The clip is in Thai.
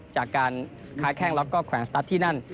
จากการค้าแข้งแล้วก็แขวนสตัสที่นั่น